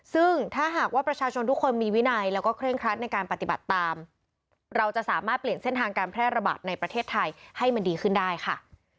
ซึ่งถ้าหากว่าประชาชนทุกคนมีวินัยแล้วก็เคร่งครัดในการปฏิบัติตามเราจะสามารถเปลี่ยนเส้นทางการแพร่ระบาดในประเทศไทยให้มันดีขึ้นได้ค่ะ